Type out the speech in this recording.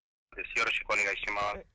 よろしくお願いします。